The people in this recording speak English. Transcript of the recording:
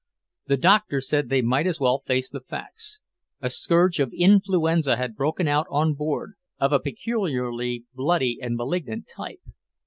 The Doctor said they might as well face the facts; a scourge of influenza had broken out on board, of a peculiarly bloody and malignant type.